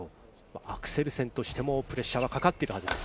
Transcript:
アクセルセンとしてもプレッシャーはかかってくるはずです。